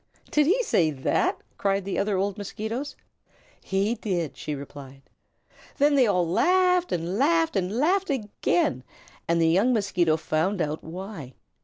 "Did he say that?" cried the other old Mosquitoes. "He did," she replied. Then they all laughed and laughed and laughed again, and the young Mosquito found out why.